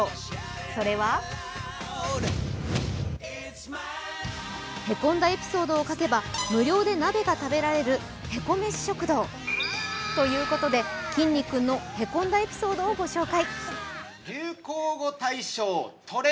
それはヘコんだエピソードを書けば無料で鍋が食べられるヘコメシ食堂ということで、きんに君のへこんだエピソードをご紹介。